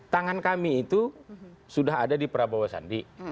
tangan kami itu sudah ada di prabowo sandi